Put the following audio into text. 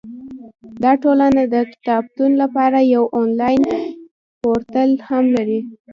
دا ټولنه د کتابتون لپاره یو انلاین پورتل هم لري.